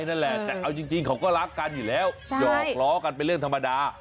ยอดออกร้องกันเป็นเรื่องธรรมดา